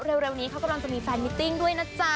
เร็วนี้เขากำลังจะมีแฟนมิติ้งด้วยนะจ๊ะ